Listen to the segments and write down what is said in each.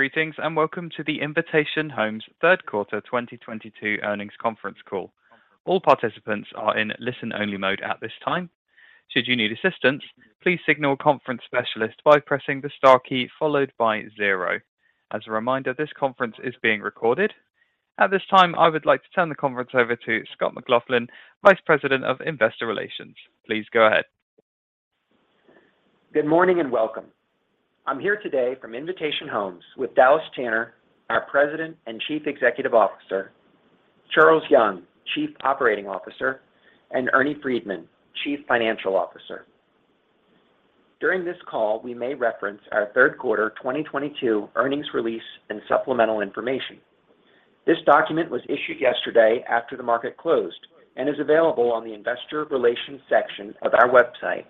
Greetings, and welcome to the Invitation Homes third quarter 2022 earnings conference call. All participants are in listen-only mode at this time. Should you need assistance, please signal a conference specialist by pressing the star key followed by zero. As a reminder, this conference is being recorded. At this time, I would like to turn the conference over to Scott McLaughlin, Vice President of Investor Relations. Please go ahead. Good morning, and welcome. I'm here today from Invitation Homes with Dallas Tanner, our President and Chief Executive Officer, Charles Young, Chief Operating Officer, and Ernie Freedman, Chief Financial Officer. During this call, we may reference our third quarter 2022 earnings release and supplemental information. This document was issued yesterday after the market closed and is available on the Investor Relations section of our website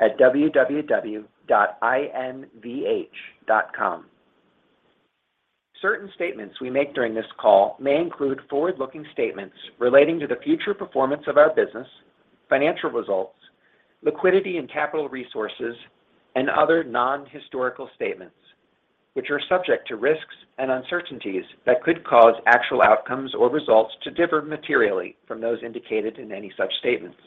at www.invh.com. Certain statements we make during this call may include forward-looking statements relating to the future performance of our business, financial results, liquidity and capital resources, and other non-historical statements, which are subject to risks and uncertainties that could cause actual outcomes or results to differ materially from those indicated in any such statements.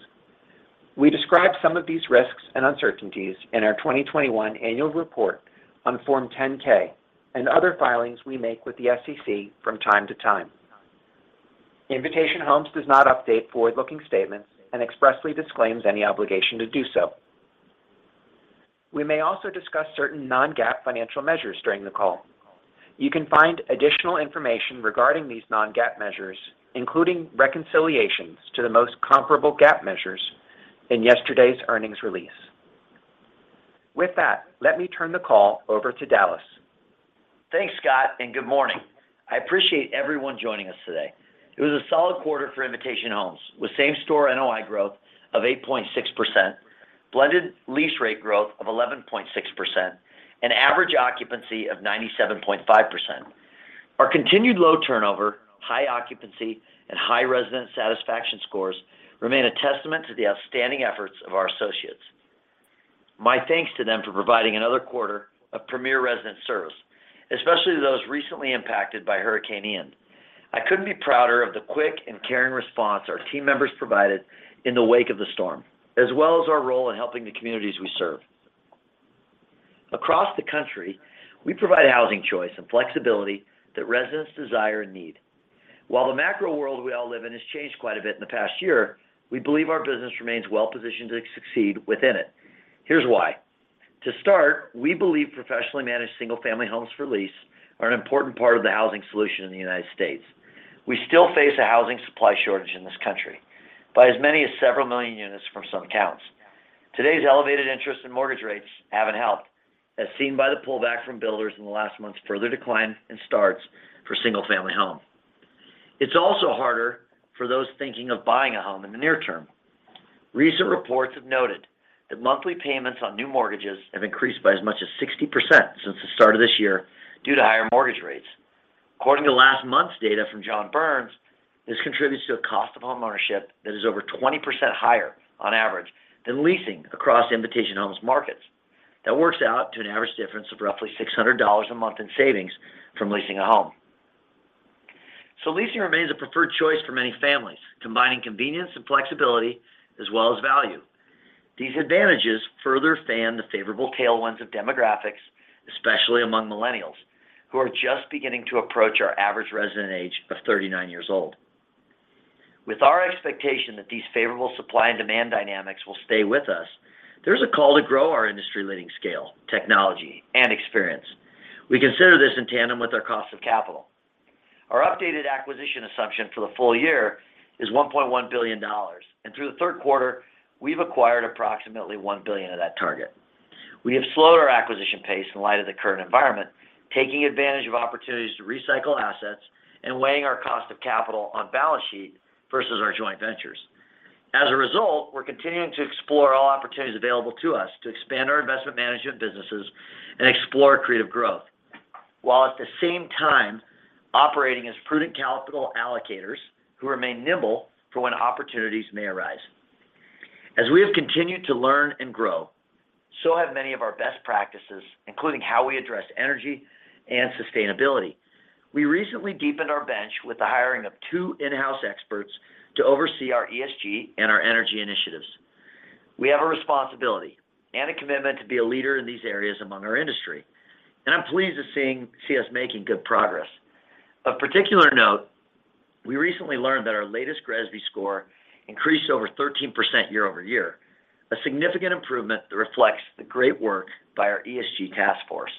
We describe some of these risks and uncertainties in our 2021 annual report on Form 10-K and other filings we make with the SEC from time to time. Invitation Homes does not update forward-looking statements and expressly disclaims any obligation to do so. We may also discuss certain Non-GAAP financial measures during the call. You can find additional information regarding these Non-GAAP measures, including reconciliations to the most comparable GAAP measures in yesterday's earnings release. With that, let me turn the call over to Dallas. Thanks, Scott, and good morning. I appreciate everyone joining us today. It was a solid quarter for Invitation Homes with same-store NOI growth of 8.6%, blended lease rate growth of 11.6%, and average occupancy of 97.5%. Our continued low turnover, high occupancy, and high resident satisfaction scores remain a testament to the outstanding efforts of our associates. My thanks to them for providing another quarter of premier resident service, especially those recently impacted by Hurricane Ian. I couldn't be prouder of the quick and caring response our team members provided in the wake of the storm, as well as our role in helping the communities we serve. Across the country, we provide housing choice and flexibility that residents desire and need. While the macro world we all live in has changed quite a bit in the past year, we believe our business remains well-positioned to succeed within it. Here's why. To start, we believe professionally managed single-family homes for lease are an important part of the housing solution in the United States. We still face a housing supply shortage in this country by as many as several million units from some counts. Today's elevated interest and mortgage rates haven't helped, as seen by the pullback from builders in last month's further decline in starts for single-family homes. It's also harder for those thinking of buying a home in the near term. Recent reports have noted that monthly payments on new mortgages have increased by as much as 60% since the start of this year due to higher mortgage rates. According to last month's data from John Burns, this contributes to a cost of homeownership that is over 20% higher on average than leasing across Invitation Homes markets. That works out to an average difference of roughly $600 a month in savings from leasing a home. Leasing remains a preferred choice for many families, combining convenience and flexibility as well as value. These advantages further fan the favorable tailwinds of demographics, especially among millennials, who are just beginning to approach our average resident age of 39 years old. With our expectation that these favorable supply and demand dynamics will stay with us, there's a call to grow our industry-leading scale, technology, and experience. We consider this in tandem with our cost of capital. Our updated acquisition assumption for the full year is $1.1 billion, and through the third quarter, we've acquired approximately $1 billion of that target. We have slowed our acquisition pace in light of the current environment, taking advantage of opportunities to recycle assets and weighing our cost of capital on balance sheet versus our joint ventures. As a result, we're continuing to explore all opportunities available to us to expand our investment management businesses and explore creative growth while at the same time operating as prudent capital allocators who remain nimble for when opportunities may arise. As we have continued to learn and grow, so have many of our best practices, including how we address energy and sustainability. We recently deepened our bench with the hiring of two in-house experts to oversee our ESG and our energy initiatives. We have a responsibility and a commitment to be a leader in these areas among our industry, and I'm pleased to see us making good progress. Of particular note, we recently learned that our latest GRESB score increased over 13% year-over-year, a significant improvement that reflects the great work by our ESG task force.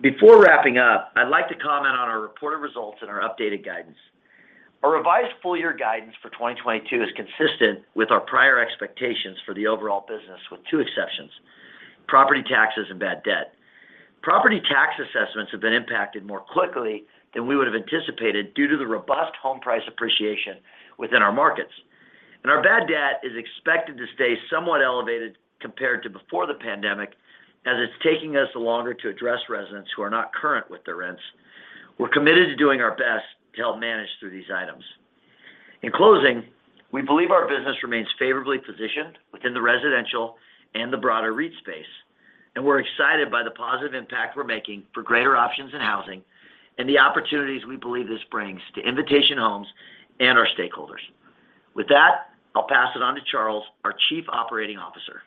Before wrapping up, I'd like to comment on our reported results and our updated guidance. Our revised full-year guidance for 2022 is consistent with our prior expectations for the overall business with two exceptions: property taxes and bad debt. Property tax assessments have been impacted more quickly than we would have anticipated due to the robust home price appreciation within our markets. Our bad debt is expected to stay somewhat elevated compared to before the pandemic, as it's taking us longer to address residents who are not current with their rents. We're committed to doing our best to help manage through these items. In closing, we believe our business remains favorably positioned within the residential and the broader REIT space, and we're excited by the positive impact we're making for greater options in housing and the opportunities we believe this brings to Invitation Homes and our stakeholders. With that, I'll pass it on to Charles, our Chief Operating Officer.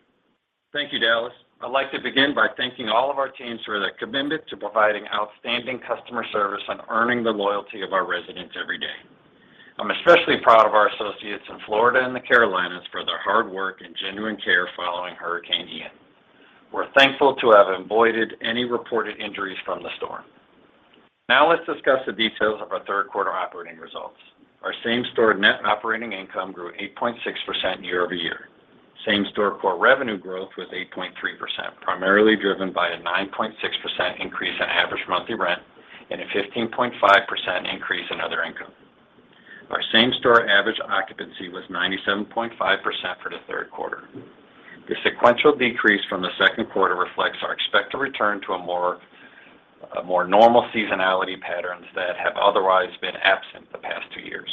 Thank you, Dallas. I'd like to begin by thanking all of our teams for their commitment to providing outstanding customer service and earning the loyalty of our residents every day. I'm especially proud of our associates in Florida and the Carolinas for their hard work and genuine care following Hurricane Ian. We're thankful to have avoided any reported injuries from the storm. Now, let's discuss the details of our third quarter operating results. Our same-store net operating income grew 8.6% year-over-year. Same-store core revenue growth was 8.3%, primarily driven by a 9.6% increase in average monthly rent and a 15.5% increase in other income. Our same-store average occupancy was 97.5% for the third quarter. The sequential decrease from the second quarter reflects our expected return to a more normal seasonality patterns that have otherwise been absent the past 2 years.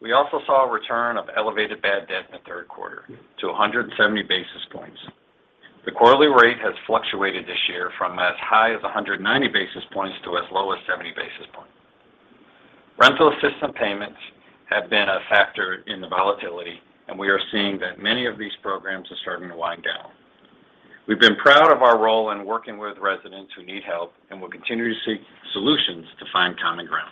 We also saw a return of elevated bad debt in the third quarter to 170 basis points. The quarterly rate has fluctuated this year from as high as 190 basis points to as low as 70 basis points. Rental assistance payments have been a factor in the volatility, and we are seeing that many of these programs are starting to wind down. We've been proud of our role in working with residents who need help and will continue to seek solutions to find common ground.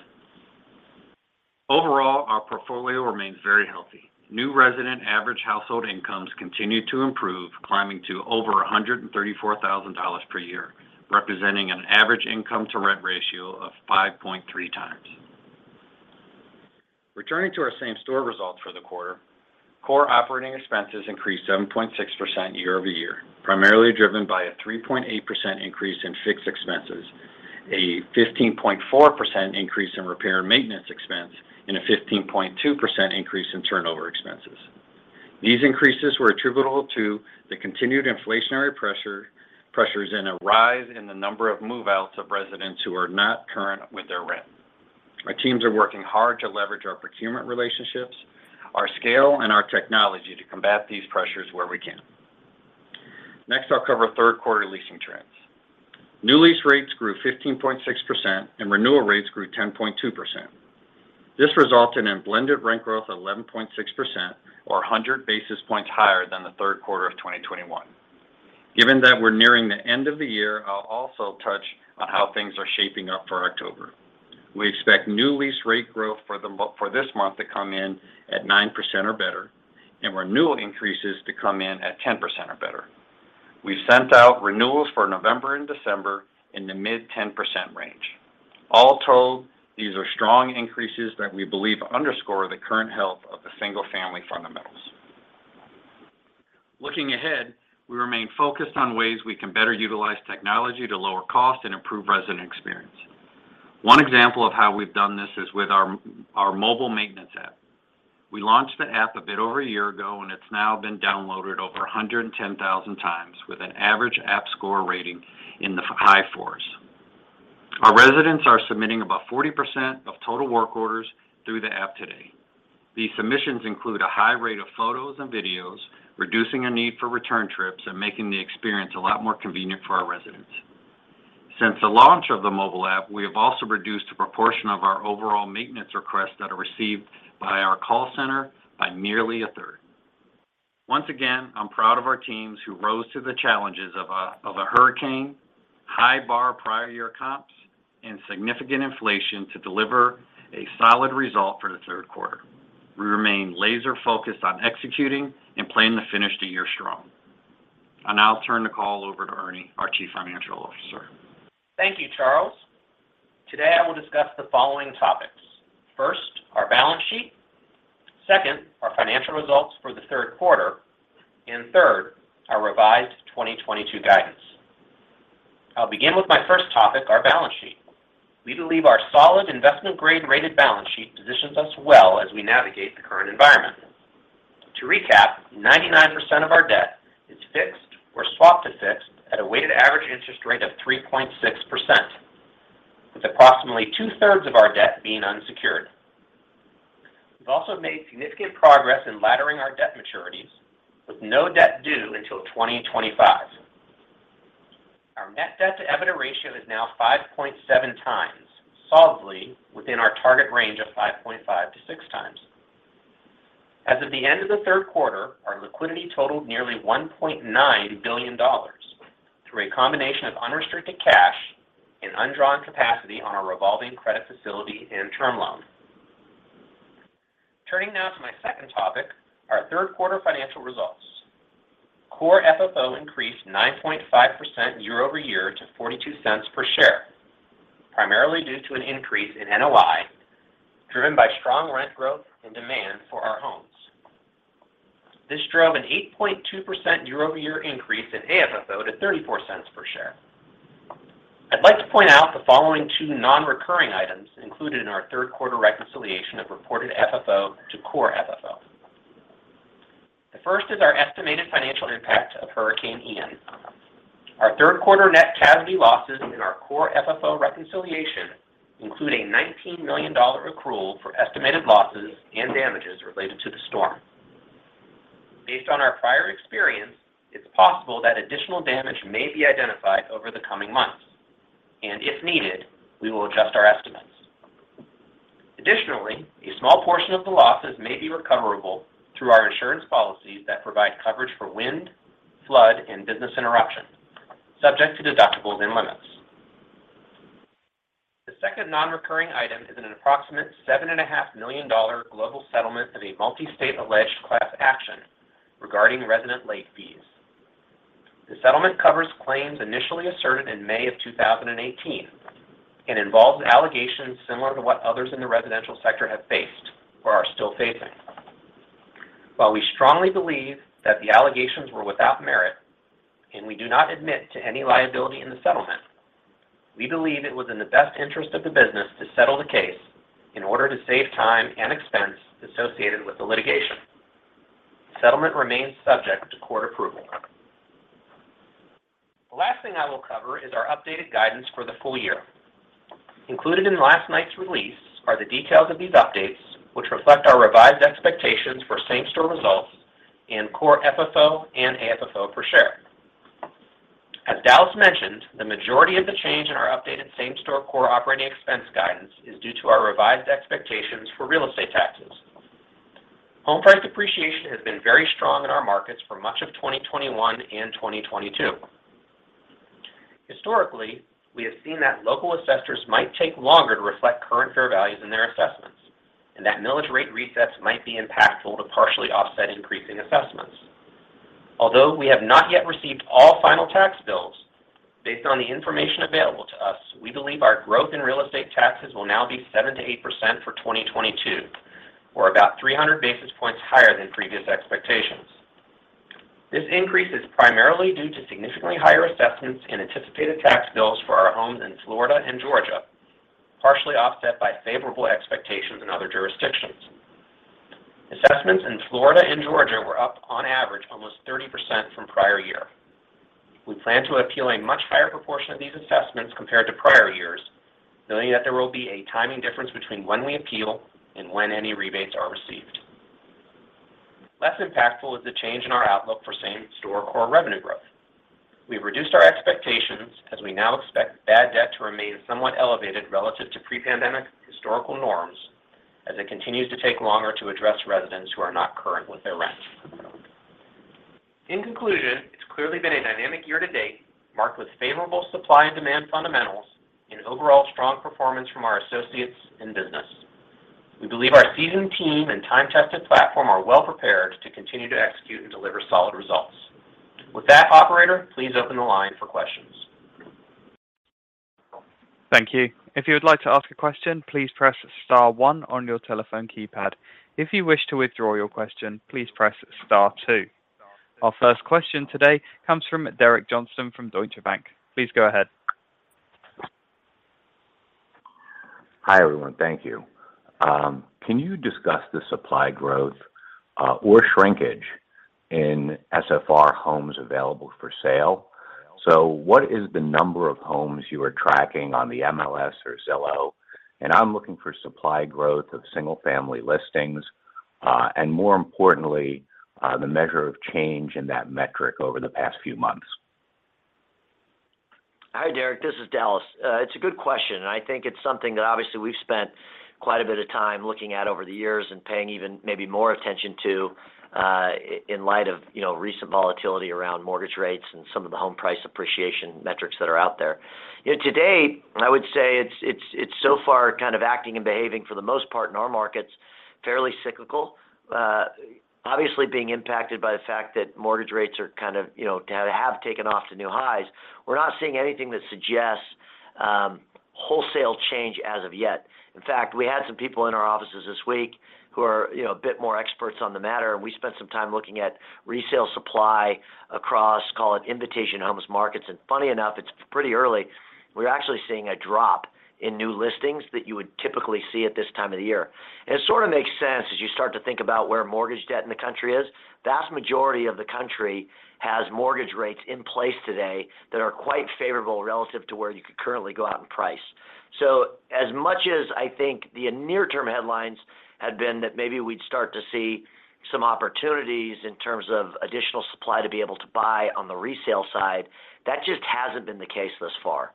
Overall, our portfolio remains very healthy. New resident average household incomes continue to improve, climbing to over $134,000 per year, representing an average income-to-rent ratio of 5.3 times. Returning to our same-store results for the quarter, core operating expenses increased 7.6% year-over-year, primarily driven by a 3.8% increase in fixed expenses, a 15.4% increase in repair and maintenance expense, and a 15.2% increase in turnover expenses. These increases were attributable to the continued inflationary pressures and a rise in the number of move-outs of residents who are not current with their rent. Our teams are working hard to leverage our procurement relationships, our scale, and our technology to combat these pressures where we can. Next, I'll cover third quarter leasing trends. New lease rates grew 15.6%, and renewal rates grew 10.2%. This resulted in blended rent growth of 11.6% or 100 basis points higher than the third quarter of 2021. Given that we're nearing the end of the year, I'll also touch on how things are shaping up for October. We expect new lease rate growth for this month to come in at 9% or better, and renewal increases to come in at 10% or better. We've sent out renewals for November and December in the mid-10% range. All told, these are strong increases that we believe underscore the current health of the single-family fundamentals. Looking ahead, we remain focused on ways we can better utilize technology to lower cost and improve resident experience. One example of how we've done this is with our mobile maintenance app. We launched the app a bit over a year ago, and it's now been downloaded over 110,000 times with an average app score rating in the high fours. Our residents are submitting about 40% of total work orders through the app today. These submissions include a high rate of photos and videos, reducing a need for return trips and making the experience a lot more convenient for our residents. Since the launch of the mobile app, we have also reduced the proportion of our overall maintenance requests that are received by our call center by nearly a third. Once again, I'm proud of our teams who rose to the challenges of a hurricane, high bar prior year comps, and significant inflation to deliver a solid result for the third quarter. We remain laser-focused on executing and playing to finish the year strong. I'll now turn the call over to Ernie, our Chief Financial Officer. Thank you, Charles. Today, I will discuss the following topics. First, our balance sheet. Second, our financial results for the third quarter. Third, our revised 2022 guidance. I'll begin with my first topic, our balance sheet. We believe our solid investment-grade rated balance sheet positions us well as we navigate the current environment. To recap, 99% of our debt is fixed or swapped to fixed at a weighted average interest rate of 3.6%, with approximately two-thirds of our debt being unsecured. We've also made significant progress in laddering our debt maturities with no debt due until 2025. Our net debt to EBITDA ratio is now 5.7x, solidly within our target range of 5.5x-6x. As of the end of the third quarter, our liquidity totaled nearly $1.9 billion through a combination of unrestricted cash and undrawn capacity on our revolving credit facility and term loan. Turning now to my second topic, our third quarter financial results. Core FFO increased 9.5% year-over-year to $0.42 per share, primarily due to an increase in NOI, driven by strong rent growth and demand for our homes. This drove an 8.2% year-over-year increase in AFFO to $0.34 per share. I'd like to point out the following two non-recurring items included in our third quarter reconciliation of reported FFO to core FFO. The first is our estimated financial impact of Hurricane Ian. Our third quarter net casualty losses in our Core FFO reconciliation include a $19 million accrual for estimated losses and damages related to the storm. Based on our prior experience, it's possible that additional damage may be identified over the coming months, and if needed, we will adjust our estimates. Additionally, a small portion of the losses may be recoverable through our insurance policies that provide coverage for wind, flood, and business interruption, subject to deductibles and limits. The second non-recurring item is an approximate $7.5 million global settlement of a multi-state alleged class action regarding resident late fees. The settlement covers claims initially asserted in May 2018 and involves allegations similar to what others in the residential sector have faced or are still facing. While we strongly believe that the allegations were without merit, and we do not admit to any liability in the settlement, we believe it was in the best interest of the business to settle the case in order to save time and expense associated with the litigation. The settlement remains subject to court approval. The last thing I will cover is our updated guidance for the full year. Included in last night's release are the details of these updates, which reflect our revised expectations for Same-Store results in Core FFO and AFFO per share. As Dallas mentioned, the majority of the change in our updated Same-Store core operating expense guidance is due to our revised expectations for real estate taxes. Home price appreciation has been very strong in our markets for much of 2021 and 2022. Historically, we have seen that local assessors might take longer to reflect current fair values in their assessments and that millage rate resets might be impactful to partially offset increasing assessments. Although we have not yet received all final tax bills, based on the information available to us, we believe our growth in real estate taxes will now be 7%-8% for 2022, or about 300 basis points higher than previous expectations. This increase is primarily due to significantly higher assessments in anticipated tax bills for our homes in Florida and Georgia, partially offset by favorable expectations in other jurisdictions. Assessments in Florida and Georgia were up, on average, almost 30% from prior year. We plan to appeal a much higher proportion of these assessments compared to prior years, knowing that there will be a timing difference between when we appeal and when any rebates are received. Less impactful is the change in our outlook for same-store core revenue growth. We've reduced our expectations as we now expect bad debt to remain somewhat elevated relative to pre-pandemic historical norms as it continues to take longer to address residents who are not current with their rent. In conclusion, it's clearly been a dynamic year-to-date, marked with favorable supply and demand fundamentals and overall strong performance from our associates and business. We believe our seasoned team and time-tested platform are well prepared to continue to execute and deliver solid results. With that, operator, please open the line for questions. Thank you. If you would like to ask a question, please press star one on your telephone keypad. If you wish to withdraw your question, please press star two. Our first question today comes from Derek Johnston from Deutsche Bank. Please go ahead. Hi, everyone. Thank you. Can you discuss the supply growth or shrinkage in SFR homes available for sale? What is the number of homes you are tracking on the MLS or Zillow? I'm looking for supply growth of single-family listings and more importantly, the measure of change in that metric over the past few months. Hi, Derek. This is Dallas. It's a good question, and I think it's something that obviously we've spent quite a bit of time looking at over the years and paying even maybe more attention to, in light of, you know, recent volatility around mortgage rates and some of the home price appreciation metrics that are out there. You know, to date, I would say it's so far kind of acting and behaving for the most part in our markets, fairly cyclical. Obviously being impacted by the fact that mortgage rates are kind of, you know, have taken off to new highs. We're not seeing anything that suggests, wholesale change as of yet. In fact, we had some people in our offices this week who are, you know, a bit more experts on the matter, and we spent some time looking at resale supply across, call it, Invitation Homes markets. Funny enough, it's pretty early. We're actually seeing a drop in new listings that you would typically see at this time of the year. It sort of makes sense as you start to think about where mortgage debt in the country is. Vast majority of the country has mortgage rates in place today that are quite favorable relative to where you could currently go out and price. As much as I think the near-term headlines had been that maybe we'd start to see some opportunities in terms of additional supply to be able to buy on the resale side, that just hasn't been the case thus far.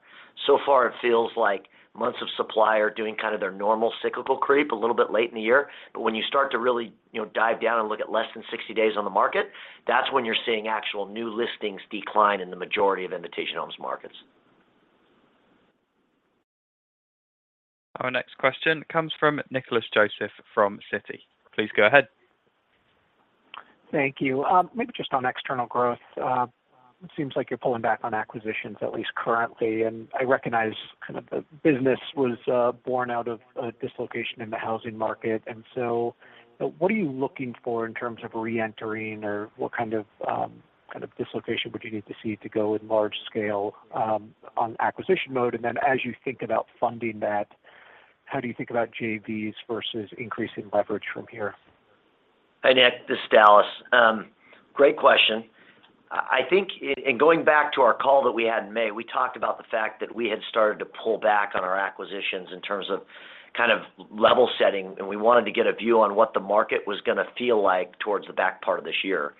So far, it feels like months of supply are doing kind of their normal cyclical creep a little bit late in the year. When you start to really, you know, dive down and look at less than 60 days on the market, that's when you're seeing actual new listings decline in the majority of Invitation Homes markets. Our next question comes from Nicholas Joseph from Citi. Please go ahead. Thank you. Maybe just on external growth. It seems like you're pulling back on acquisitions, at least currently. I recognize kind of the business was born out of a dislocation in the housing market. What are you looking for in terms of reentering, or what kind of dislocation would you need to see to go in large scale on acquisition mode? As you think about funding that. How do you think about JVs versus increasing leverage from here? Hey Nick, this is Dallas. Great question. I think in going back to our call that we had in May, we talked about the fact that we had started to pull back on our acquisitions in terms of kind of level setting, and we wanted to get a view on what the market was gonna feel like towards the back part of this year.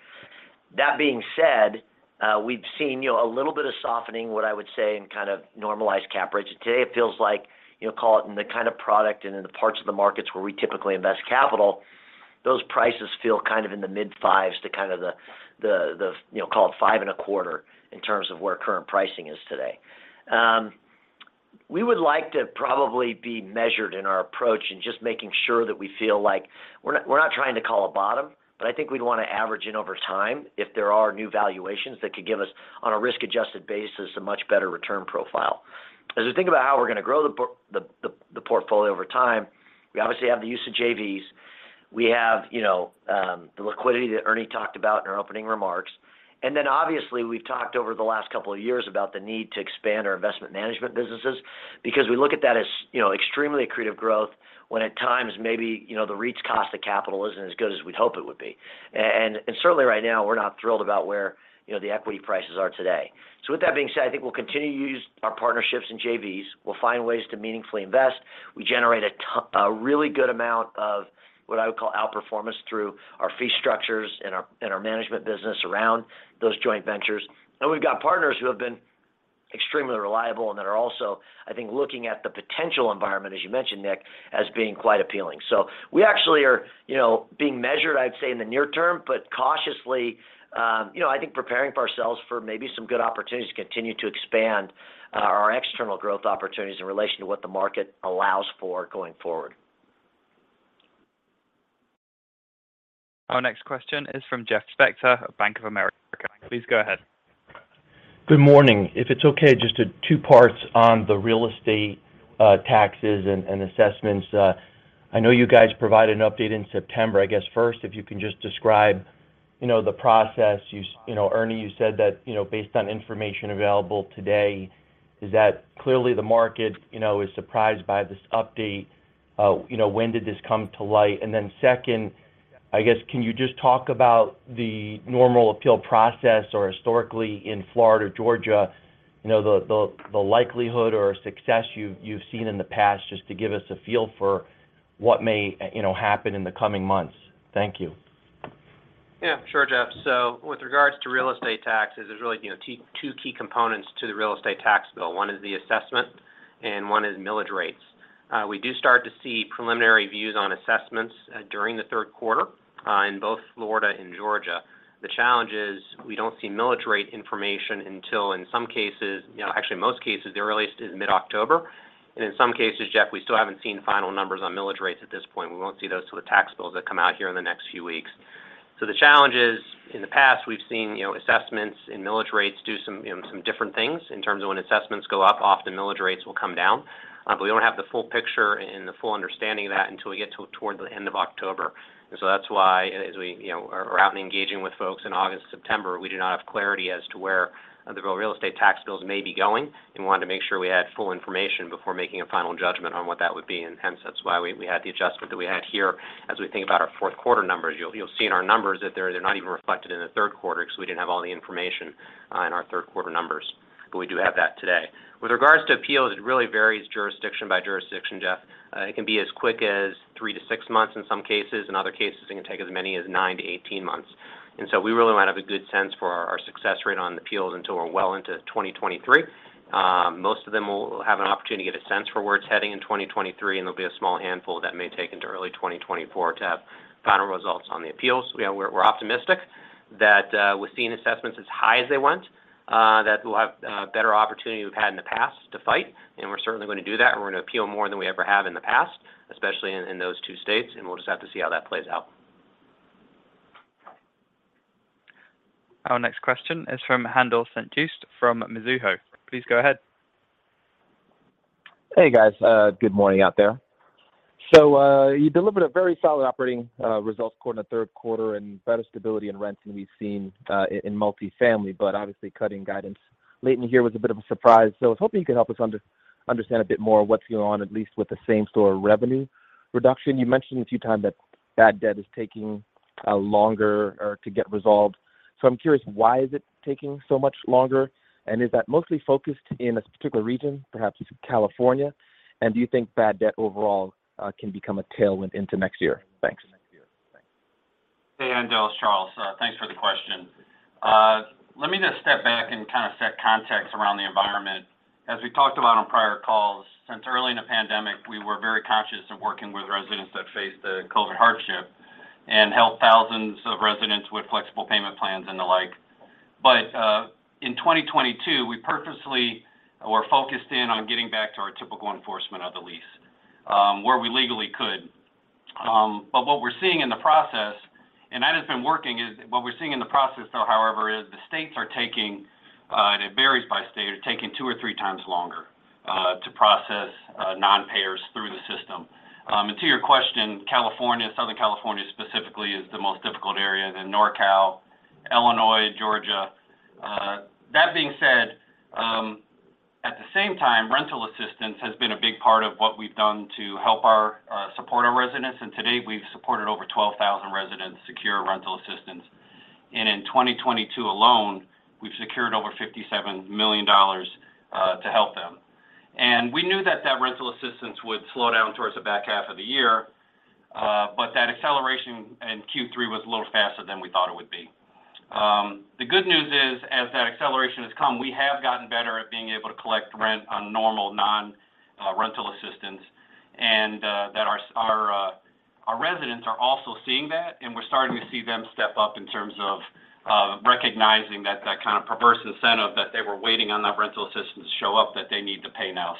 That being said, we've seen, you know, a little bit of softening, what I would say, in kind of normalized cap rates. Today, it feels like, you know, call it in the kind of product and in the parts of the markets where we typically invest capital, those prices feel kind of in the mid-50s to, you know, call it 5.25% in terms of where current pricing is today. We would like to probably be measured in our approach in just making sure that we feel like we're not trying to call a bottom, but I think we'd want to average in over time if there are new valuations that could give us, on a risk-adjusted basis, a much better return profile. As we think about how we're going to grow the portfolio over time, we obviously have the use of JVs. We have, you know, the liquidity that Ernie talked about in our opening remarks. Obviously, we've talked over the last couple of years about the need to expand our investment management businesses because we look at that as, you know, extremely accretive growth when at times maybe, you know, the REIT's cost of capital isn't as good as we'd hope it would be. Certainly right now, we're not thrilled about where, you know, the equity prices are today. With that being said, I think we'll continue to use our partnerships and JVs. We'll find ways to meaningfully invest. We generate a really good amount of what I would call outperformance through our fee structures and our management business around those joint ventures. We've got partners who have been extremely reliable and that are also, I think, looking at the potential environment, as you mentioned, Nick, as being quite appealing. We actually are, you know, being measured, I'd say, in the near term, but cautiously, you know, I think preparing for ourselves for maybe some good opportunities to continue to expand our external growth opportunities in relation to what the market allows for going forward. Our next question is from Jeff Spector of Bank of America. Please go ahead. Good morning. If it's okay, just two parts on the real estate taxes and assessments. I know you guys provided an update in September. I guess first, if you can just describe, you know, the process. You know, Ernie, you said that, you know, based on information available today is that clearly the market, you know, is surprised by this update. You know, when did this come to light? And then second, I guess, can you just talk about the normal appeal process or historically in Florida, Georgia, you know, the likelihood or success you've seen in the past just to give us a feel for what may, you know, happen in the coming months. Thank you. Yeah, sure, Jeff. With regards to real estate taxes, there's really, you know, two key components to the real estate tax bill. One is the assessment, and one is millage rates. We do start to see preliminary views on assessments during the third quarter in both Florida and Georgia. The challenge is we don't see millage rate information until in some cases, you know, actually most cases, the earliest is mid-October. In some cases, Jeff, we still haven't seen final numbers on millage rates at this point. We won't see those till the tax bills that come out here in the next few weeks. The challenge is, in the past we've seen, you know, assessments and millage rates do some, you know, some different things in terms of when assessments go up, often millage rates will come down. We don't have the full picture and the full understanding of that until we get toward the end of October. That's why as we, you know, are out and engaging with folks in August and September, we do not have clarity as to where the real estate tax bills may be going and wanted to make sure we had full information before making a final judgment on what that would be. That's why we had the adjustment that we had here. As we think about our fourth quarter numbers, you'll see in our numbers that they're not even reflected in the third quarter because we didn't have all the information in our third quarter numbers. We do have that today. With regards to appeals, it really varies jurisdiction by jurisdiction, Jeff. It can be as quick as three to six months in some cases. In other cases, it can take as many as 9-18 months. We really won't have a good sense for our success rate on appeals until we're well into 2023. Most of them will have an opportunity to get a sense for where it's heading in 2023, and there'll be a small handful that may take into early 2024 to have final results on the appeals. You know, we're optimistic that we're seeing assessments as high as they went that we'll have a better opportunity than we've had in the past to fight. We're certainly gonna do that, and we're gonna appeal more than we ever have in the past, especially in those two states. We'll just have to see how that plays out. Our next question is from Haendel St. Juste from Mizuho. Please go ahead. Hey, guys. Good morning out there. You delivered a very solid operating results quarter in the third quarter and better stability in rents than we've seen in multifamily, but obviously cutting guidance late in here was a bit of a surprise. I was hoping you could help us understand a bit more what's going on, at least with the same store revenue reduction. You mentioned a few times that bad debt is taking longer to get resolved. I'm curious, why is it taking so much longer? And is that mostly focused in a particular region, perhaps California? And do you think bad debt overall can become a tailwind into next year? Thanks. Hey, Haendel St. Juste. It's Charles Young. Thanks for the question. Let me just step back and kind of set context around the environment. As we talked about on prior calls, since early in the pandemic, we were very conscious of working with residents that faced a COVID hardship and helped thousands of residents with flexible payment plans and the like. In 2022, we purposely were focused in on getting back to our typical enforcement of the lease, where we legally could. What we're seeing in the process, and that has been working, though, however, is the states are taking, and it varies by state, two or three times longer to process non-payers through the system. To your question, California, Southern California specifically is the most difficult area. NorCal, Illinois, Georgia That being said, at the same time, rental assistance has been a big part of what we've done to help our support our residents. Today, we've supported over 12,000 residents secure rental assistance. In 2022 alone, we've secured over $57 million to help them. We knew that that rental assistance would slow down towards the back half of the year, but that acceleration in Q3 was a little faster than we thought it would be. The good news is, as that acceleration has come, we have gotten better at being able to collect rent on normal non-rental assistance, and that our residents are also seeing that, and we're starting to see them step up in terms of recognizing that kind of perverse incentive that they were waiting on that rental assistance show up that they need to pay now.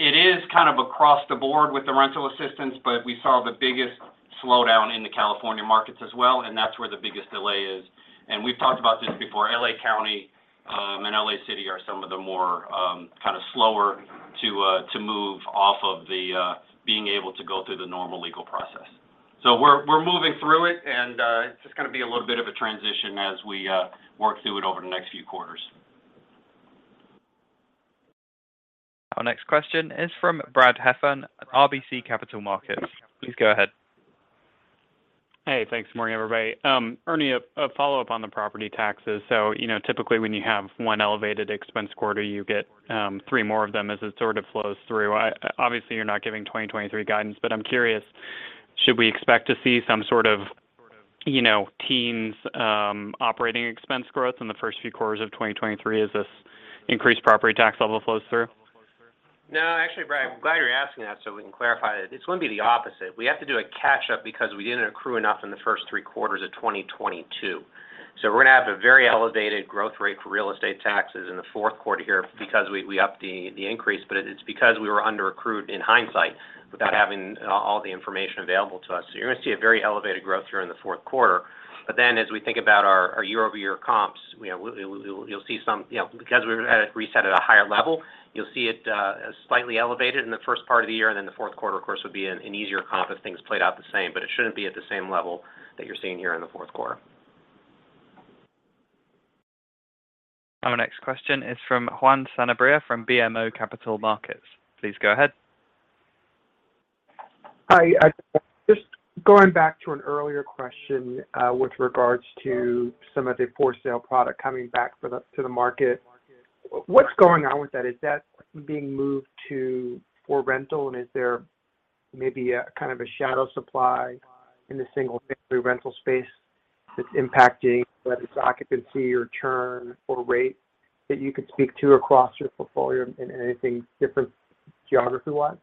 It is kind of across the board with the rental assistance, but we saw the biggest slowdown in the California markets as well, and that's where the biggest delay is. We've talked about this before, L.A. County and L.A. City are some of the more kind of slower to move off of the being able to go through the normal legal process. We're moving through it, and it's just gonna be a little bit of a transition as we work through it over the next few quarters. Our next question is from Brad Heffern, RBC Capital Markets. Please go ahead. Hey. Thanks. Morning, everybody. Ernie, a follow-up on the property taxes. You know, typically when you have one elevated expense quarter, you get three more of them as it sort of flows through. Obviously, you're not giving 2023 guidance, but I'm curious, should we expect to see some sort of, you know, teens operating expense growth in the first few quarters of 2023 as this increased property tax level flows through? No. Actually, Brad, I'm glad you're asking that so we can clarify. It's gonna be the opposite. We have to do a catch-up because we didn't accrue enough in the first three quarters of 2022. We're gonna have a very elevated growth rate for real estate taxes in the fourth quarter here because we upped the increase, but it's because we were underaccrued in hindsight without having all the information available to us. You're gonna see a very elevated growth here in the fourth quarter. Then as we think about our year-over-year comps, you know, you'll see some. You know, because we're at a reset at a higher level, you'll see it slightly elevated in the first part of the year, and then the fourth quarter, of course, would be an easier comp if things played out the same. It shouldn't be at the same level that you're seeing here in the fourth quarter. Our next question is from Juan Sanabria from BMO Capital Markets. Please go ahead. Hi. Just going back to an earlier question, with regards to some of the for-sale product coming back to the market. What's going on with that? Is that being moved to for rental, and is there maybe a kind of a shadow supply in the single-family rental space that's impacting whether it's occupancy or churn or rate that you could speak to across your portfolio in anything different geography-wise?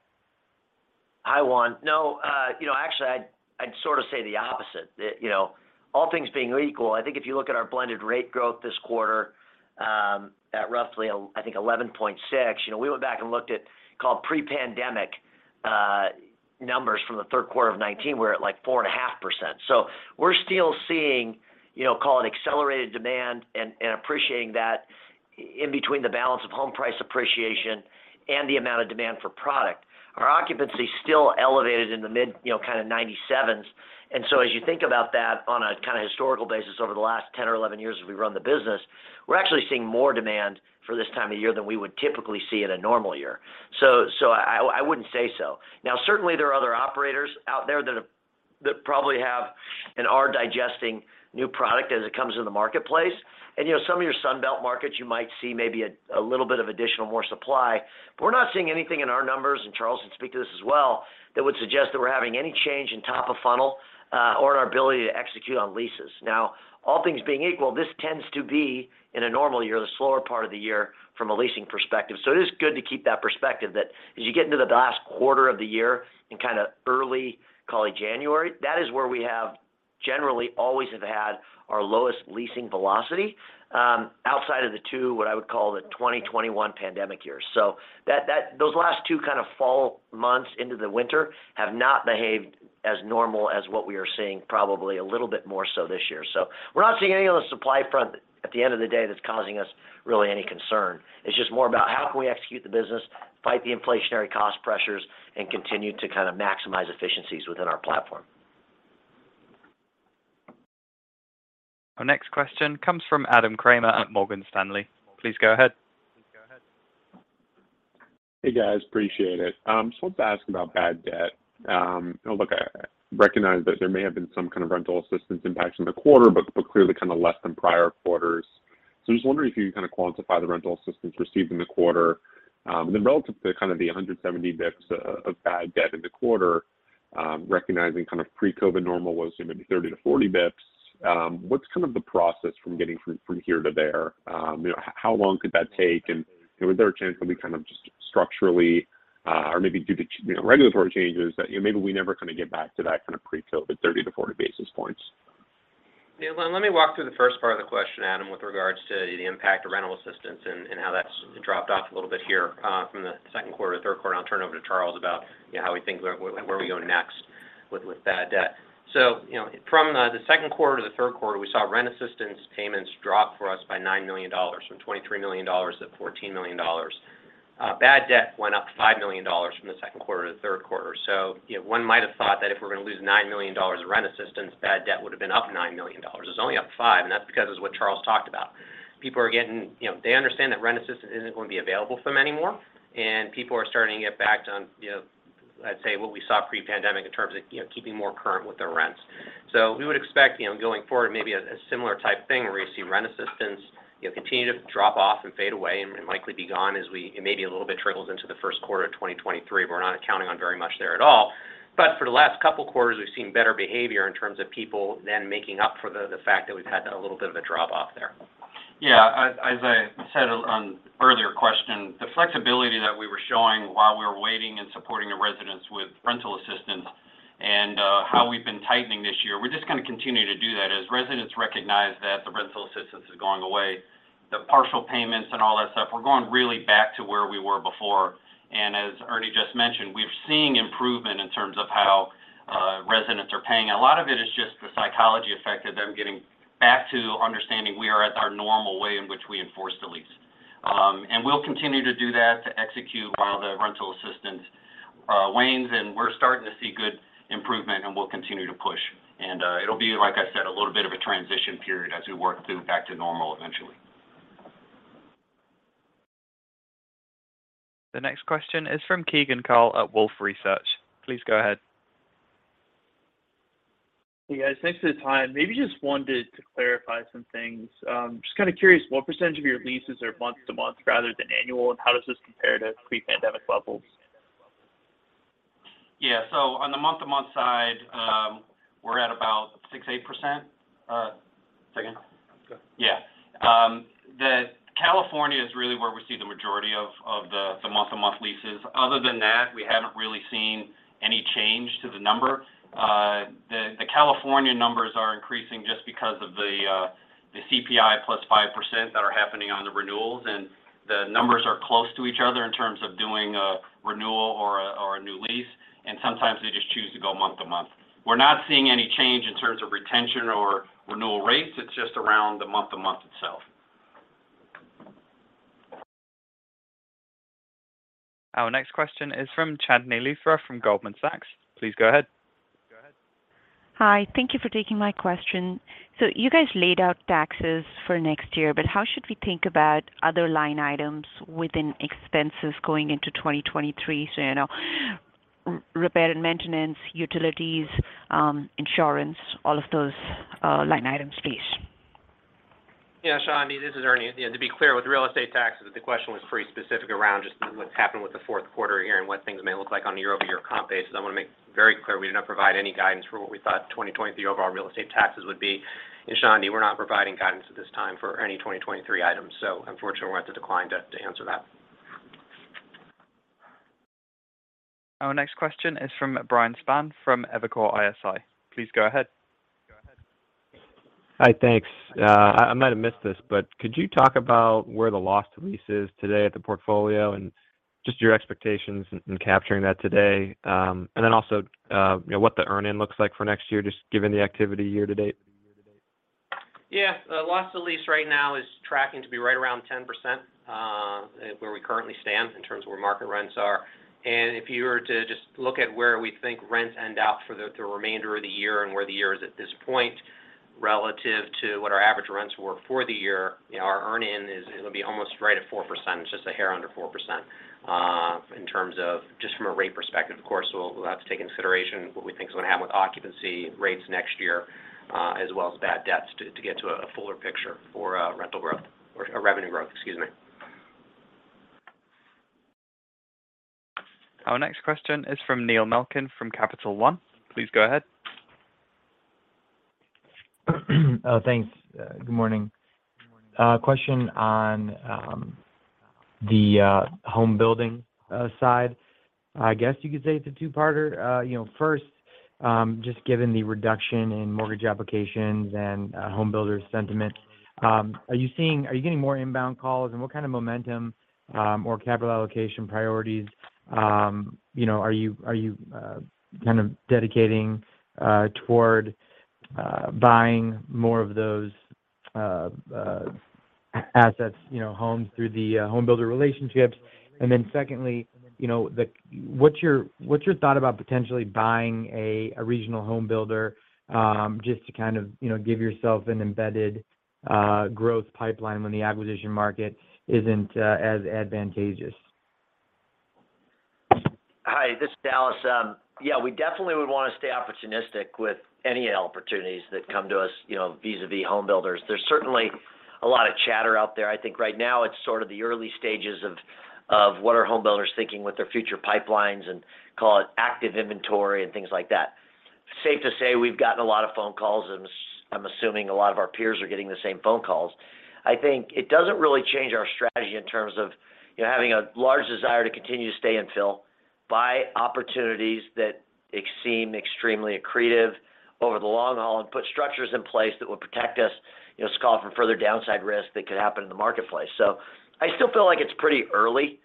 Hi, Juan. No. You know, actually, I'd sort of say the opposite. That, you know, all things being equal, I think if you look at our blended rate growth this quarter, at roughly I think 11.6, you know, we went back and looked at called pre-pandemic numbers from the third quarter of 2019, we're at, like, 4.5%. We're still seeing, you know, call it accelerated demand and appreciating that in between the balance of home price appreciation and the amount of demand for product. Our occupancy is still elevated in the mid, you know, kind of 97s. As you think about that on a kind of historical basis over the last 10 or 11 years as we run the business, we're actually seeing more demand for this time of year than we would typically see in a normal year. I wouldn't say so. Now, certainly, there are other operators out there that probably have and are digesting new product as it comes in the marketplace. You know, some of your Sun Belt markets, you might see maybe a little bit of additional more supply. But we're not seeing anything in our numbers, and Charles can speak to this as well, that would suggest that we're having any change in top of funnel or in our ability to execute on leases. Now, all things being equal, this tends to be, in a normal year, the slower part of the year from a leasing perspective. It is good to keep that perspective that as you get into the last quarter of the year and kind of early, call it January, that is where we have generally always have had our lowest leasing velocity, outside of the two, what I would call the 2021 pandemic years. Those last two kind of fall months into the winter have not behaved as normal as what we are seeing probably a little bit more so this year. We're not seeing anything on the supply front at the end of the day that's causing us really any concern. It's just more about how can we execute the business, fight the inflationary cost pressures, and continue to kind of maximize efficiencies within our platform. Our next question comes from Adam Kramer at Morgan Stanley. Please go ahead. Hey, guys. Appreciate it. Just wanted to ask about bad debt. Look, I recognize that there may have been some kind of rental assistance impact in the quarter, but clearly kind of less than prior quarters. I'm just wondering if you could kind of quantify the rental assistance received in the quarter. Then relative to kind of the 170 basis points of bad debt in the quarter, recognizing kind of pre-COVID normal was maybe 30-40 basis points, what's kind of the process from getting from here to there? You know, how long could that take? You know, is there a chance it'll be kind of just structurally or maybe due to regulatory changes that maybe we never kind of get back to that kind of pre-COVID 30-40 basis points. Yeah. Well, let me walk through the first part of the question, Adam, with regards to the impact of rental assistance and how that's dropped off a little bit here, from the second quarter to third quarter. I'll turn over to Charles about, you know, how we think where we are going next with bad debt. You know, from the second quarter to the third quarter, we saw rent assistance payments drop for us by $9 million, from $23 million to $14 million. Bad debt went up $5 million from the second quarter to the third quarter. You know, one might have thought that if we're gonna lose $9 million in rent assistance, bad debt would have been up $9 million. It was only up 5, and that's because of what Charles talked about. People are getting, you know, they understand that rent assistance isn't going to be available for them anymore, and people are starting to get back to on, you know, let's say what we saw pre-pandemic in terms of, you know, keeping more current with their rents. We would expect, you know, going forward, maybe a similar type thing where we see rent assistance, you know, continue to drop off and fade away and likely be gone, it may be a little bit trickles into the first quarter of 2023. We're not accounting on very much there at all. For the last couple quarters, we've seen better behavior in terms of people, then making up for the fact that we've had a little bit of a drop off there. Yeah. As I said in an earlier question, the flexibility that we were showing while we were waiting and supporting the residents with rental assistance and how we've been tightening this year, we're just gonna continue to do that as residents recognize that the rental assistance is going away, the partial payments and all that stuff, we're going really back to where we were before. As Ernie just mentioned, we're seeing improvement in terms of how residents are paying. A lot of it is just the psychological effect of them getting back to understanding we are at our normal way in which we enforce the lease. We'll continue to do that to execute while the rental assistance wanes, and we're starting to see good improvement, and we'll continue to push. It'll be, like I said, a little bit of a transition period as we work through back to normal eventually. The next question is from Keegan Carl at Wolfe Research. Please go ahead. Hey, guys. Thanks for the time. Maybe just wanted to clarify some things. Just kind of curious what percentage of your leases are month to month rather than annual, and how does this compare to pre-pandemic levels? Yeah. On the month-over-month side, we're at about 6.8%. Say again. That's good. Yeah. California is really where we see the majority of the month-to-month leases. Other than that, we haven't really seen any change to the number. The California numbers are increasing just because of the CPI +5% that are happening on the renewals, and the numbers are close to each other in terms of doing a renewal or a new lease, and sometimes they just choose to go month-to-month. We're not seeing any change in terms of retention or renewal rates. It's just around the month-to-month itself. Our next question is from Chandni Luthra from Goldman Sachs. Please go ahead. Hi. Thank you for taking my question. You guys laid out taxes for next year, but how should we think about other line items within expenses going into 2023? You know, repair and maintenance, utilities, insurance, all of those line items, please. Yeah. Chandni, this is Ernie. You know, to be clear, with real estate taxes, the question was pretty specific around just what's happened with the fourth quarter here and what things may look like on a year-over-year comp basis. I wanna make very clear we do not provide any guidance for what we thought 2023 overall real estate taxes would be. Chandni, we're not providing guidance at this time for any 2023 items, so unfortunately, we have to decline to answer that. Our next question is from Brian Spahn from Evercore ISI. Please go ahead. Hi. Thanks. I might have missed this, but could you talk about where the loss to lease is today at the portfolio and just your expectations in capturing that today? Also, you know, what the earn in looks like for next year just given the activity year to date? Yeah. Loss to lease right now is tracking to be right around 10%, where we currently stand in terms of where market rents are. If you were to just look at where we think rents end up for the remainder of the year and where the year is at this point relative to what our average rents were for the year, you know, our earn-in is it'll be almost right at 4%. It's just a hair under 4%, in terms of just from a rate perspective. Of course, we'll have to take into consideration what we think is gonna happen with occupancy rates next year, as well as bad debts to get to a fuller picture for rental growth or revenue growth, excuse me. Our next question is from Neil Malkin from Capital One. Please go ahead. Thanks. Good morning. Question on the home building side. I guess you could say it's a two-parter. You know, first, just given the reduction in mortgage applications and home builder sentiment, are you getting more inbound calls? And what kind of momentum or capital allocation priorities, you know, are you kind of dedicating toward buying more of those assets, you know, homes through the home builder relationships? And then secondly, you know, what's your thought about potentially buying a regional home builder, just to kind of, you know, give yourself an embedded growth pipeline when the acquisition market isn't as advantageous? Hi, this is Dallas. Yeah, we definitely would wanna stay opportunistic with any opportunities that come to us, you know, vis-a-vis home builders. There's certainly a lot of chatter out there. I think right now it's sort of the early stages of what home builders are thinking with their future pipelines and call it active inventory and things like that. Safe to say we've gotten a lot of phone calls, and I'm assuming a lot of our peers are getting the same phone calls. I think it doesn't really change our strategy in terms of, you know, having a large desire to continue to stay and buy opportunities that seem extremely accretive over the long haul and put structures in place that will protect us, you know, safe from further downside risks that could happen in the marketplace. I still feel like it's pretty early.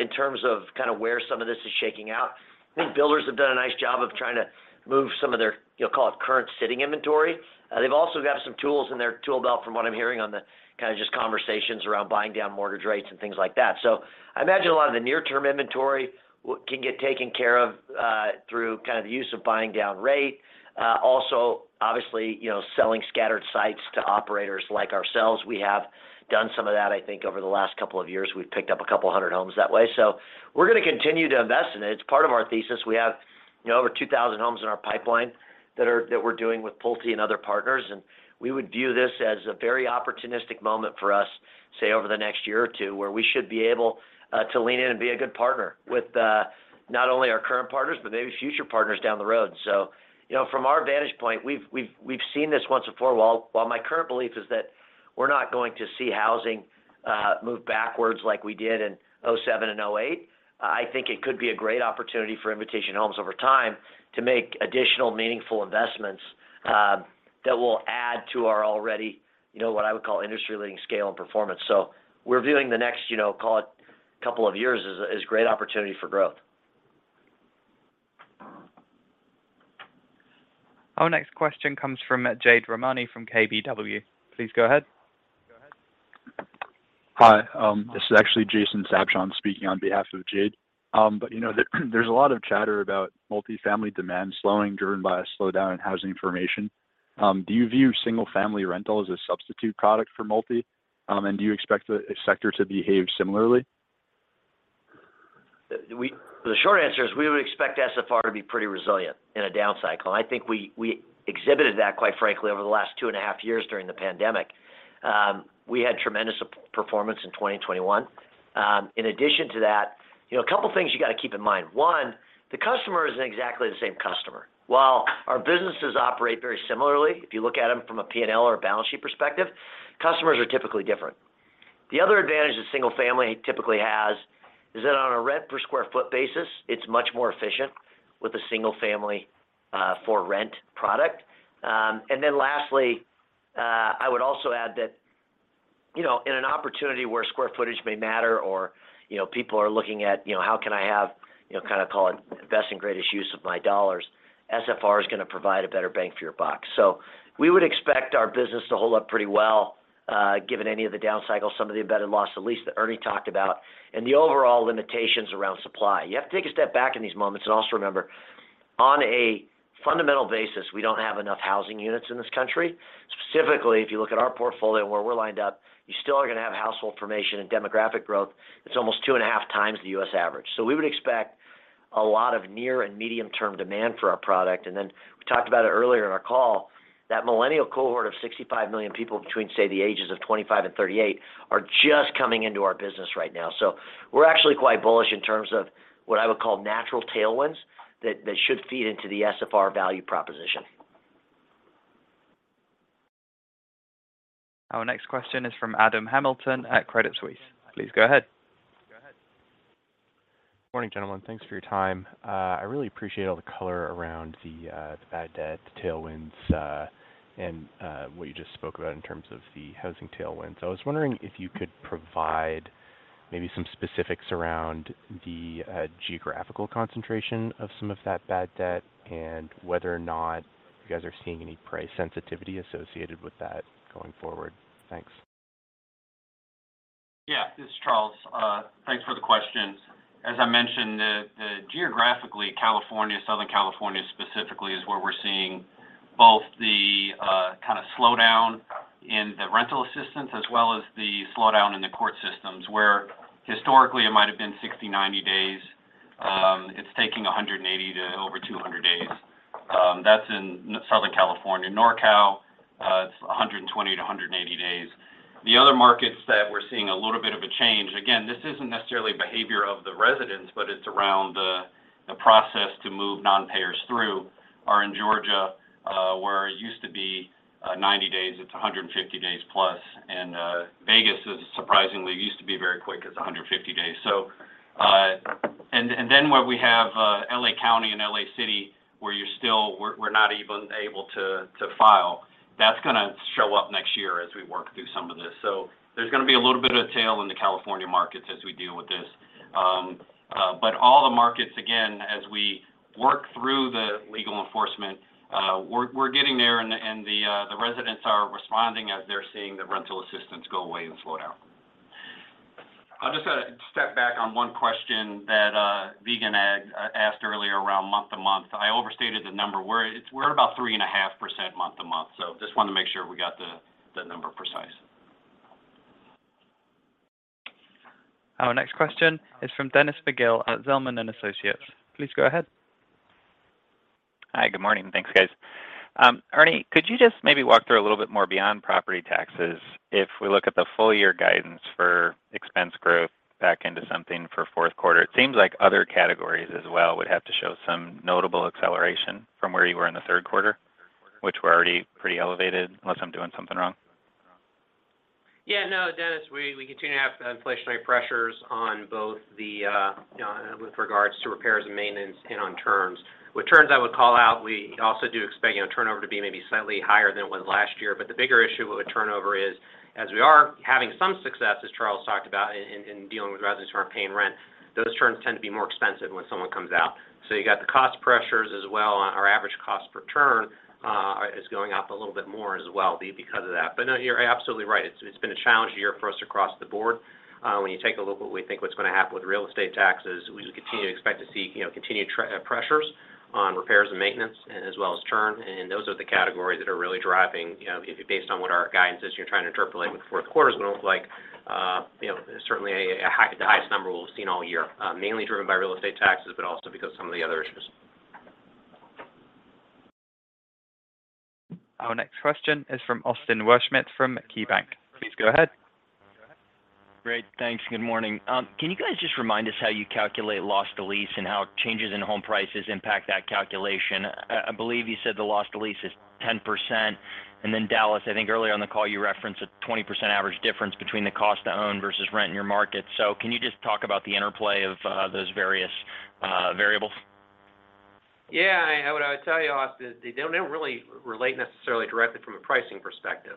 In terms of kind of where some of this is shaking out, I think builders have done a nice job of trying to move some of their, you'll call it current sitting inventory. They've also got some tools in their tool belt from what I'm hearing on the kind of just conversations around buying down mortgage rates and things like that. I imagine a lot of the near-term inventory can get taken care of through kind of the use of buying down rate. Also obviously, you know, selling scattered sites to operators like ourselves. We have done some of that, I think, over the last couple of years. We've picked up a couple hundred homes that way. We're gonna continue to invest in it. It's part of our thesis. We have, you know, over 2,000 homes in our pipeline that we're doing with PulteGroup and other partners, and we would view this as a very opportunistic moment for us, say, over the next year or two, where we should be able to lean in and be a good partner with not only our current partners, but maybe future partners down the road. You know, from our vantage point, we've seen this once before. While my current belief is that we're not going to see housing move backwards like we did in 2007 and 2008, I think it could be a great opportunity for Invitation Homes over time to make additional meaningful investments that will add to our already, you know, what I would call industry-leading scale and performance. We're viewing the next, you know, call it couple of years as a great opportunity for growth. Our next question comes from Jade Rahmani from KBW. Please go ahead. Hi, this is actually Jason Sabshon speaking on behalf of Jade. You know, there's a lot of chatter about multifamily demand slowing driven by a slowdown in housing formation. Do you view single-family rental as a substitute product for multifamily, and do you expect the sector to behave similarly? The short answer is we would expect SFR to be pretty resilient in a down cycle. I think we exhibited that quite frankly over the last two and a half years during the pandemic. We had tremendous performance in 2021. In addition to that, you know, a couple things you gotta keep in mind. One, the customer isn't exactly the same customer. While our businesses operate very similarly, if you look at them from a P&L or a balance sheet perspective, customers are typically different. The other advantage that single family typically has is that on a rent per square foot basis, it's much more efficient with a single family for rent product. Lastly, I would also add that, you know, in an opportunity where square footage may matter or, you know, people are looking at, you know, how can I have, you know, kind of call it the best and greatest use of my dollars, SFR is gonna provide a better bang for your buck. We would expect our business to hold up pretty well, given any of the down cycles, some of the embedded loss, at least that Ernie talked about, and the overall limitations around supply. You have to take a step back in these moments and also remember, on a fundamental basis, we don't have enough housing units in this country. Specifically, if you look at our portfolio and where we're lined up, you still are gonna have household formation and demographic growth. It's almost 2.5x the U.S. average. We would expect a lot of near and medium term demand for our product. We talked about it earlier in our call, that millennial cohort of 65 million people between, say, the ages of 25 and 38 are just coming into our business right now. We're actually quite bullish in terms of what I would call natural tailwinds that should feed into the SFR value proposition. Our next question is from Adam Hamilton at Credit Suisse. Please go ahead. Morning, gentlemen. Thanks for your time. I really appreciate all the color around the bad debt, the tailwinds, and what you just spoke about in terms of the housing tailwinds. I was wondering if you could provide maybe some specifics around the geographical concentration of some of that bad debt and whether or not you guys are seeing any price sensitivity associated with that going forward. Thanks. Yeah, this is Charles. Thanks for the question. As I mentioned, the geographically, California, Southern California specifically, is where we're seeing both the kind of slowdown in the rental assistance as well as the slowdown in the court systems, where historically it might have been 60-90 days, it's taking 180 to over 200 days. That's in Southern California. Nor Cal, it's 120-180 days. The other markets that we're seeing a little bit of a change, again, this isn't necessarily behavior of the residents, but it's around the process to move non-payers through, are in Georgia, where it used to be 90 days, it's 150 days plus. Vegas is surprisingly used to be very quick, it's 150 days. We have L.A. County and L.A. City where we're not even able to file. That's gonna show up next year as we work through some of this. There's gonna be a little bit of a tail in the California markets as we deal with this. But all the markets, again, as we work through the legal enforcement, we're getting there and the residents are responding as they're seeing the rental assistance go away and slow down. I'll just step back on one question that Keegan Gaerth asked earlier around month-to-month. I overstated the number. We're about 3.5% month-to-month, so just wanted to make sure we got the number precise. Our next question is from Dennis McGill at Zelman & Associates. Please go ahead. Hi, good morning. Thanks, guys. Ernie, could you just maybe walk through a little bit more beyond property taxes? If we look at the full-year guidance for expense growth back into something for fourth quarter, it seems like other categories as well would have to show some notable acceleration from where you were in the third quarter, which were already pretty elevated, unless I'm doing something wrong. Yeah, no, Dennis, we continue to have inflationary pressures on both the with regards to repairs and maintenance and on rents. With rents I would call out, we also do expect, you know, turnover to be maybe slightly higher than it was last year. But the bigger issue with turnover is We are having some success, as Charles talked about in dealing with residents who aren't paying rent, those turns tend to be more expensive when someone comes out. You got the cost pressures as well. Our average cost per turn is going up a little bit more as well because of that. No, you're absolutely right. It's been a challenge year for us across the board. When you take a look at what we think what's gonna happen with real estate taxes, we continue to expect to see continued pressures on repairs and maintenance as well as churn. Those are the categories that are really driving, you know, based on what our guidance is, you're trying to interpret what fourth quarter's gonna look like, you know, certainly the highest number we'll have seen all year, mainly driven by real estate taxes, but also because of some of the other issues. Our next question is from Austin Wurschmidt from KeyBanc. Please go ahead. Great. Thanks. Good morning. Can you guys just remind us how you calculate loss to lease and how changes in home prices impact that calculation? I believe you said the loss to lease is 10%. Dallas, I think earlier on the call you referenced a 20% average difference between the cost to own versus rent in your market. Can you just talk about the interplay of those various variables? Yeah. What I would tell you, Austin, they don't really relate necessarily directly from a pricing perspective.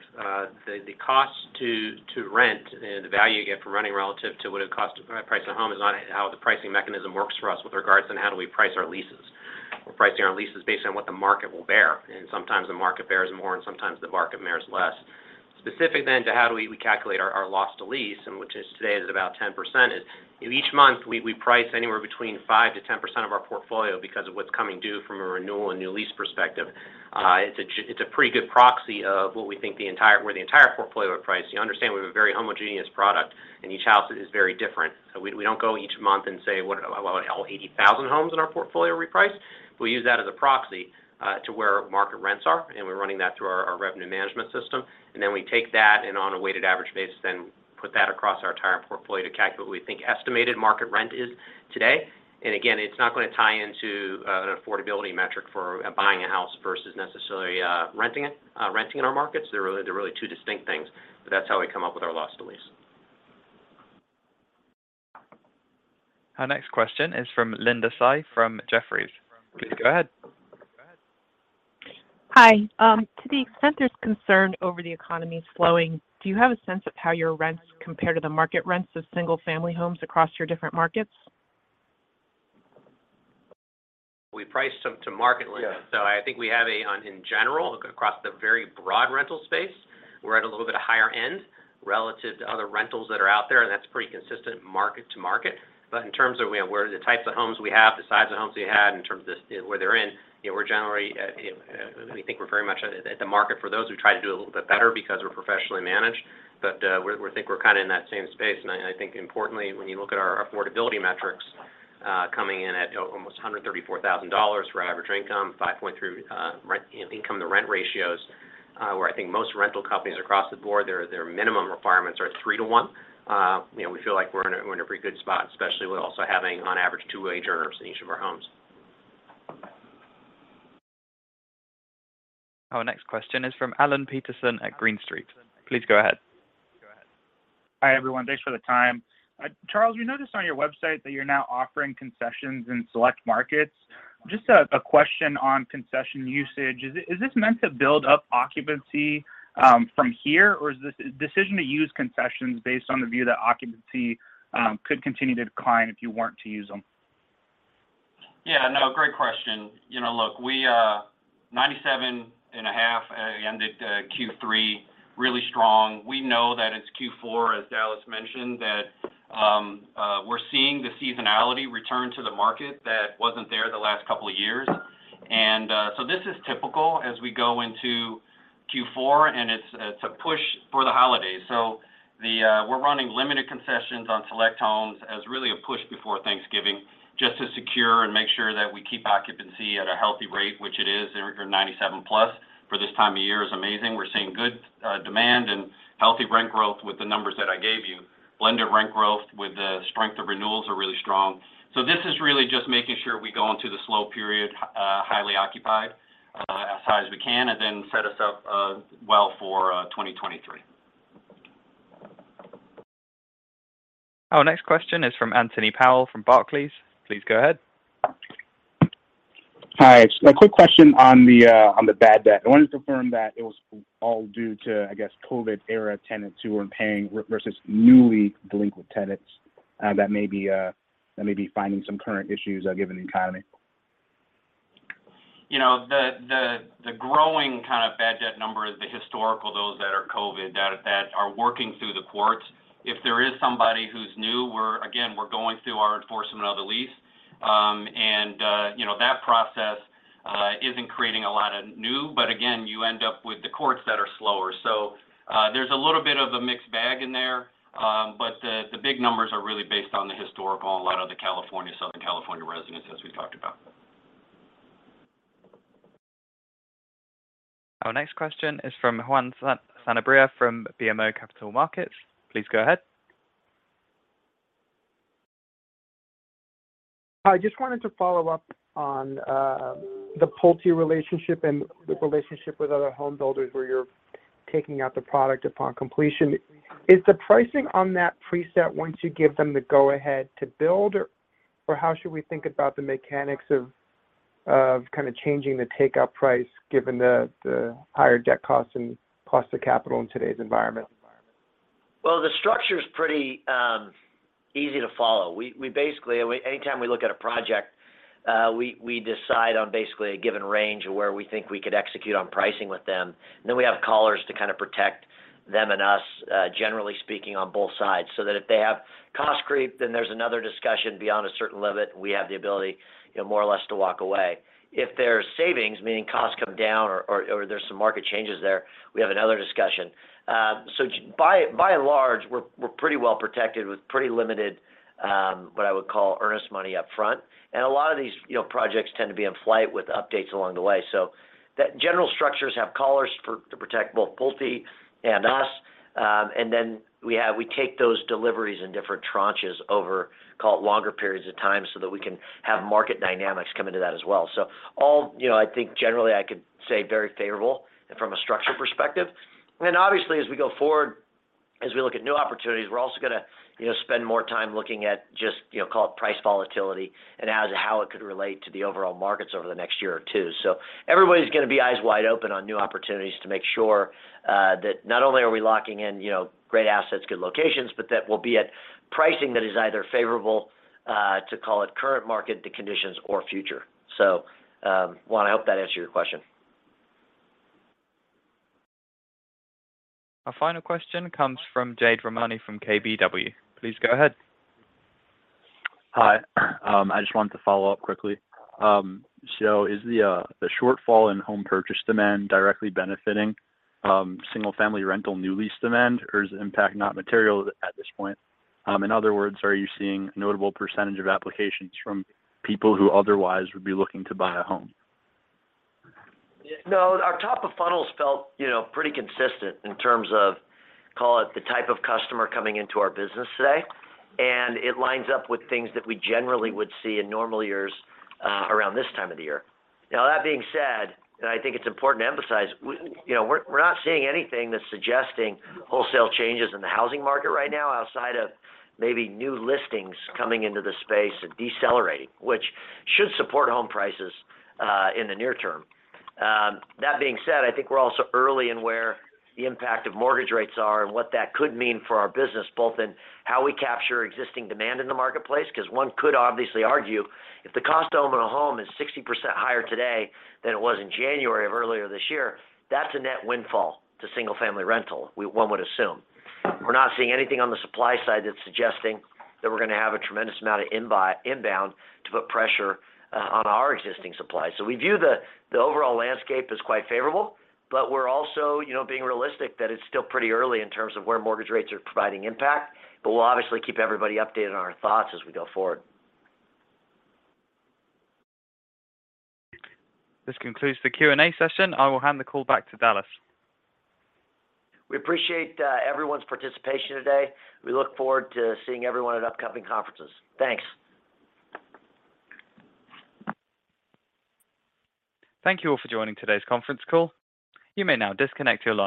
The cost to rent and the value you get from renting relative to what it costs to price a home is not how the pricing mechanism works for us with regards on how do we price our leases. We're pricing our leases based on what the market will bear, and sometimes the market bears more and sometimes the market bears less. Specific then to how do we calculate our loss to lease, and which is today is about 10%, is each month we price anywhere between 5%-10% of our portfolio because of what's coming due from a renewal and new lease perspective. It's a pretty good proxy of what we think the entire where the entire portfolio price. You understand we have a very homogeneous product and each house is very different. We don't go each month and say, "all 80,000 homes in our portfolio reprice." We use that as a proxy to where market rents are, and we're running that through our revenue management system. We take that and on a weighted average basis, then put that across our entire portfolio to calculate what we think estimated market rent is today. Again, it's not gonna tie into an affordability metric for buying a house versus necessarily renting it, renting in our markets. They're really two distinct things. That's how we come up with our loss to lease. Our next question is from Linda Tsai from Jefferies. Please go ahead. Hi. To the extent there's concern over the economy slowing, do you have a sense of how your rents compare to the market rents of single-family homes across your different markets? We price to market, Linda. Yeah. I think in general, across the very broad rental space, we're at a little bit of higher end relative to other rentals that are out there, and that's pretty consistent market to market. In terms of where the types of homes we have, the size of homes we had in terms of where they're in, you know, we're generally, you know, we think we're very much at the market for those who try to do a little bit better because we're professionally managed. We think we're kind of in that same space. I think importantly, when you look at our affordability metrics, coming in at almost $134,000 for average income, 5.3 rent-to-income ratios, where I think most rental companies across the board, their minimum requirements are at three to one. You know, we feel like we're in a pretty good spot, especially with also having on average two wage earners in each of our homes. Our next question is from Alan Peterson at Green Street. Please go ahead. Hi, everyone. Thanks for the time. Charles, we noticed on your website that you're now offering concessions in select markets. Just a question on concession usage. Is this meant to build up occupancy from here, or is this decision to use concessions based on the view that occupancy could continue to decline if you weren't to use them? Yeah. No, great question. You know, look, we 97.5% ended Q3 really strong. We know that it's Q4, as Dallas mentioned, that we're seeing the seasonality return to the market that wasn't there the last couple of years. This is typical as we go into Q4, and it's a push for the holidays. We're running limited concessions on select homes as really a push before Thanksgiving just to secure and make sure that we keep occupancy at a healthy rate, which it is. 97+% for this time of year is amazing. We're seeing good demand and healthy rent growth with the numbers that I gave you. Blend of rent growth with the strength of renewals are really strong. This is really just making sure we go into the slow period, highly occupied, as high as we can, and then set us up, well for, 2023. Our next question is from Anthony Powell from Barclays. Please go ahead. Hi. A quick question on the bad debt. I wanted to confirm that it was all due to, I guess, COVID era tenants who weren't paying versus newly delinquent tenants that may be finding some current issues given the economy. You know, the growing kind of bad debt number is the historical, those that are COVID that are working through the courts. If there is somebody who's new, we're going through our enforcement of the lease. You know, that process isn't creating a lot of new, but again, you end up with the courts that are slower. There's a little bit of a mixed bag in there. But the big numbers are really based on the historical and a lot of the California, Southern California residents, as we talked about. Our next question is from Juan Sanabria from BMO Capital Markets. Please go ahead. I just wanted to follow up on the PulteGroup relationship and the relationship with other home builders where you're taking out the product upon completion. Is the pricing on that preset once you give them the go-ahead to build or how should we think about the mechanics of? Of kind of changing the takeout price given the higher debt costs and cost of capital in today's environment. Well, the structure's pretty easy to follow. We basically any time we look at a project, we decide on basically a given range of where we think we could execute on pricing with them. Then we have collars to kind of protect them and us, generally speaking, on both sides so that if they have cost creep, then there's another discussion beyond a certain limit, and we have the ability, you know, more or less to walk away. If there's savings, meaning costs come down or there's some market changes there, we have another discussion. By and large, we're pretty well protected with pretty limited what I would call earnest money up front. A lot of these, you know, projects tend to be in flight with updates along the way. That general structures have collars for to protect both PulteGroup and us. We take those deliveries in different tranches over, call it, longer periods of time so that we can have market dynamics come into that as well. You know, I think generally I could say very favorable and from a structure perspective. Obviously, as we go forward, as we look at new opportunities, we're also gonna, you know, spend more time looking at just, you know, call it price volatility and as to how it could relate to the overall markets over the next year or two. Everybody's gonna be eyes wide open on new opportunities to make sure that not only are we locking in, you know, great assets, good locations, but that we'll be at pricing that is either favorable to call it current market conditions or future. Juan, I hope that answered your question. Our final question comes from Jade Rahmani from KBW. Please go ahead. Hi. I just wanted to follow up quickly. Is the shortfall in home purchase demand directly benefiting, single-family rental new lease demand, or is the impact not material at this point? In other words, are you seeing a notable percentage of applications from people who otherwise would be looking to buy a home? No, our top of funnels felt, you know, pretty consistent in terms of, call it, the type of customer coming into our business today, and it lines up with things that we generally would see in normal years, around this time of the year. Now that being said, and I think it's important to emphasize, we, you know, we're not seeing anything that's suggesting wholesale changes in the housing market right now outside of maybe new listings coming into the space and decelerating, which should support home prices, in the near term. That being said, I think we're also early in where the impact of mortgage rates are and what that could mean for our business, both in how we capture existing demand in the marketplace. 'Cause one could obviously argue if the cost to own a home is 60% higher today than it was in January of earlier this year, that's a net windfall to single-family rental, one would assume. We're not seeing anything on the supply side that's suggesting that we're gonna have a tremendous amount of inbound to put pressure on our existing supply. We view the overall landscape as quite favorable, but we're also, you know, being realistic that it's still pretty early in terms of where mortgage rates are providing impact. We'll obviously keep everybody updated on our thoughts as we go forward. This concludes the Q&A session. I will hand the call back to Dallas. We appreciate everyone's participation today. We look forward to seeing everyone at upcoming conferences. Thanks. Thank you all for joining today's conference call. You may now disconnect your line.